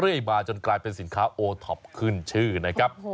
เรื่อยมาจนกลายเป็นสินค้าโทปขึ้นชื่อนะครับ